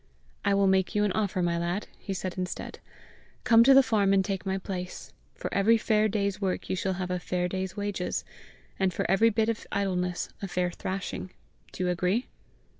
"I will make you an offer, my lad," he said instead: "come to the farm and take my place. For every fair day's work you shall have a fair day's wages, and, for every bit of idleness, a fair thrashing. Do you agree?"